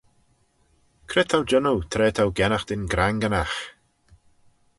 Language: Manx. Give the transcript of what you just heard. Cre t'ou jannoo tra t'ou gennaghtyn granganagh?